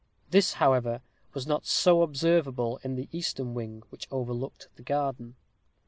This, however, was not so observable in the eastern wing, which overlooked the garden.